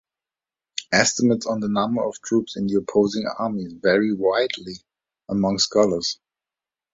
Estimates on the number of troops in the opposing armies vary widely among scholars.